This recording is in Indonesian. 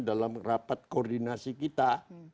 dalam rapat koordinasi kita